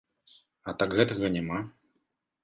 А так гэтага няма.